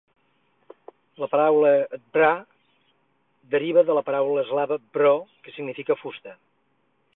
La paraula "dvar" deriva de la paraula eslava "drvo" que significa "fusta".